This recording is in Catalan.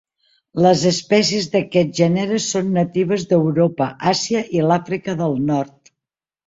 Les espècies d'aquest gènere són natives d'Europa, Àsia i l'Àfrica del nord.